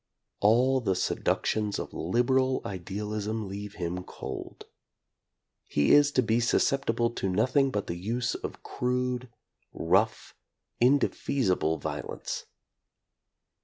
All the seduc tions of "liberal" idealism leave him cold. He is to be susceptible to nothing but the use of crude, rough, indefeasible violence.